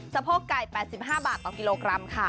โพกไก่๘๕บาทต่อกิโลกรัมค่ะ